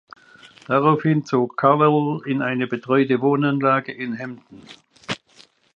Daraufhin zog Cowell in eine betreute Wohnanlage in Hampton.